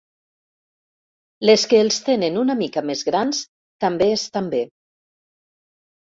Les que els tenen una mica més grans també estan bé.